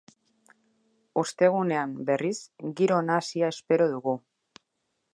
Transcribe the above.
Ostegunean, berriz, giro nahasia espero dugu.